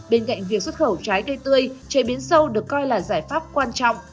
bên cạnh việc xuất khẩu trái cây tươi chế biến sâu được coi là giải pháp quan trọng